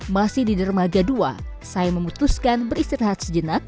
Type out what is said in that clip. masih di dermaga dua saya memutuskan beristirahat sejenak